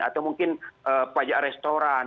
atau mungkin pajak restoran